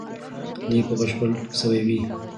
لیک به بشپړ سوی وي.